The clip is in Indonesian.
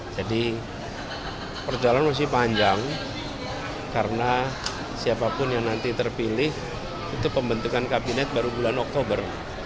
jadi perjalanan masih panjang karena siapapun yang nanti terpilih itu pembentukan kabinet baru bulan oktober